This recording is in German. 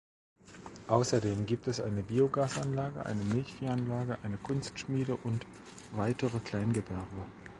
Außerdem gibt eine Biogasanlage, eine Milchviehanlage, eine Kunstschmiede und weitere Kleingewerbe.